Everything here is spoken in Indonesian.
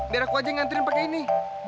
biar aku aja yang ngantriin pakai ini